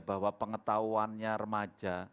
bahwa pengetahuannya remaja